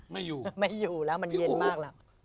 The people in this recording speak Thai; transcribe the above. ไม่อยู่ไม่อยู่แล้วมันเย็นมากแล้ว